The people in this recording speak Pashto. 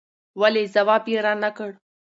ولې ځواب يې را نه کړ